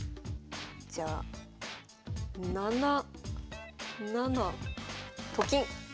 じゃあ７七と金。